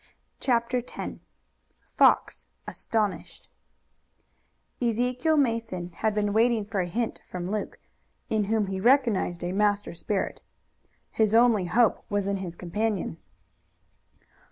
CHAPTER X FOX ASTONISHED Ezekiel Mason had been waiting for a hint from Luke, in whom he recognized a master spirit. His only hope was in his companion.